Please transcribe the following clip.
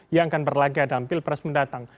yang akan berlaga dalam pilpres mendatang